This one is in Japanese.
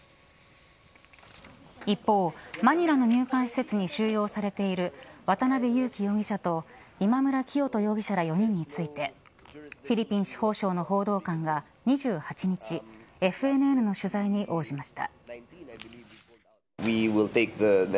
一方、マニラの入管施設に収容されている渡辺優樹容疑者と今村磨人容疑者ら４人についてフィリピン司法省の報道官が２８日ＦＮＮの取材に応じました。